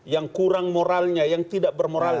yang kurang moralnya yang tidak bermoral